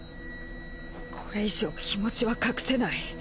これ以上気持ちは隠せない。